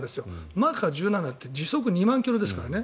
マッハ１７って時速２万ｋｍですからね。